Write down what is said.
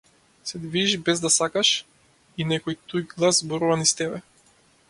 Се движиш без да сакаш и некој туѓ глас зборува низ тебе.